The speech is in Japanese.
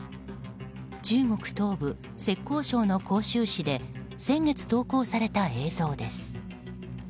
中国東部、浙江省の杭州市で先月、投稿された映像です。